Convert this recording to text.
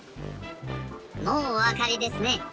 もうおわかりですね。